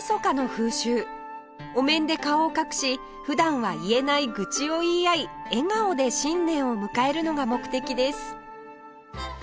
お面で顔を隠し普段は言えない愚痴を言い合い笑顔で新年を迎えるのが目的です